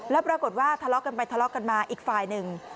แล้วปรากฏว่าทะเลาะกันไปทะเลาะกันมาอีกฝ่ายหนึ่ง